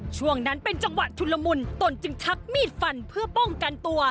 ช่วงนั้นเป็นจังหวะชุนละมุนตนจึงชักมีดฟันเพื่อป้องกันตัว